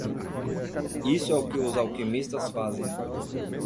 Isso é o que os alquimistas fazem.